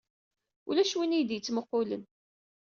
Ulac win i iyi-d-yettmuqulen.